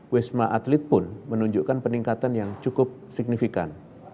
wisma atlet pun menunjukkan peningkatan yang cukup signifikan